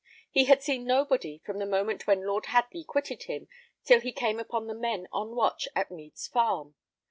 He had seen nobody from the moment when Lord Hadley quitted him, till he came upon the men on watch at Mead's Farm.